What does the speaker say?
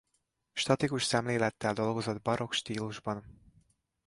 Statikus szemlélettel dolgozott barokk stílusban.